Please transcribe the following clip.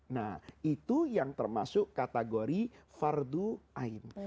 nah itu yang termasuk kategori fardu aim